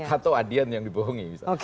atau adian yang dibohongi